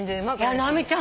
直美ちゃん